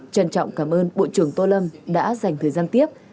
trân trọng cảm ơn bộ trưởng tô lâm đã dành thời gian tiếp